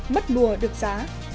mất mùa được giá